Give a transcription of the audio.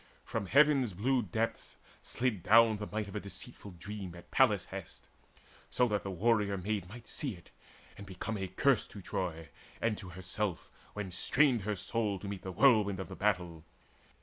From heavens' blue Slid down the might of a deceitful dream At Pallas' hest, that so the warrior maid Might see it, and become a curse to Troy And to herself, when strained her soul to meet; The whirlwind of the battle.